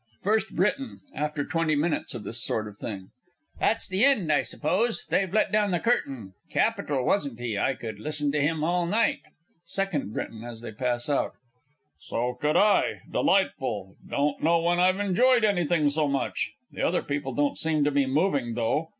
FIRST BRITON (after twenty minutes of this sort of thing). That's the end, I suppose. They've let down the curtain. Capital, wasn't he? I could listen to him all night! SECOND B. (as they pass out). So could I delightful! Don't know when I've enjoyed anything so much. The other people don't seem to be moving, though.